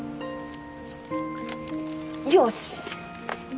よし！